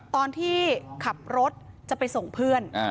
ตอนที่ขับรถจะไปส่งเพื่อน